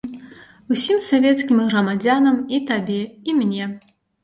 Усім савецкім грамадзянам, і табе, і мне.